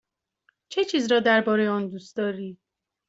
چه چیز را درباره آن دوست داری؟